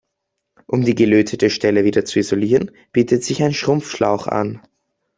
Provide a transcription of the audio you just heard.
Um die gelötete Stelle wieder zu isolieren, bietet sich ein Schrumpfschlauch an.